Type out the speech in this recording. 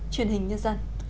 truyền hình nhân dân